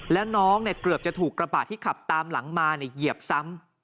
แล้วน้องเนี่ยเกือบจะถูกกระบาดที่ขับตามหลังมาเนี่ยเหยียบซ้ำ